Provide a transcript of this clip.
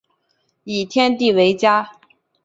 以天地为家